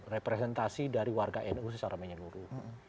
representasi dari warga nu secara menyeluruh